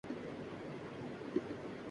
market میں جعلی اور بدکردار لوگوں نے